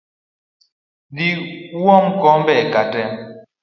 Dhii uom kombe ka tee